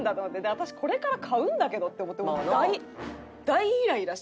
「私これから買うんだけど」って思って大イライラして。